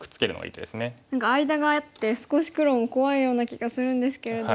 何か間があって少し黒も怖いような気がするんですけれども。